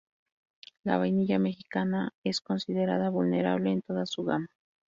La vainilla mexicana es considerada vulnerable en toda su gama.